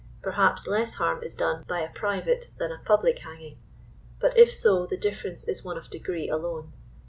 Perhaps less harm is done by a private than a public hanging ; but, if 80, the difference is one of degree alone.